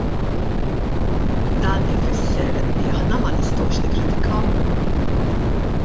Dan ifisser li aħna ma nistgħux nikkritikaw?